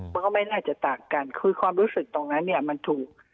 มันก็ไม่น่าจะต่างกันคือความรู้สึกตรงนั้นเนี่ยมันถูก